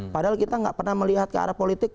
padahal kita nggak pernah melihat ke arah politik